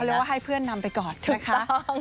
เรียกว่าให้เพื่อนนำไปก่อนนะคะ